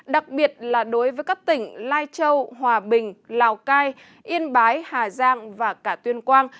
đặc biệt là đối với các tỉnh lai châu hòa bình lào cai yên bái hà giang và cả tuyên quang